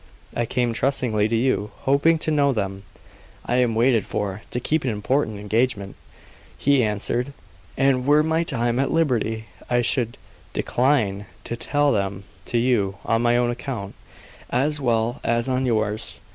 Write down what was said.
I came trustingly to you, hoping to know them." "I am waited for, to keep an important engagement," he answered. "And were my time at liberty, I should decline to tell them to you, on my own account, as well as on yours.